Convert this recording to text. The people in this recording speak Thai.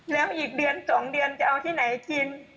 แล้วอีกเดือน๒เดือนจะเอาที่ไหนกิน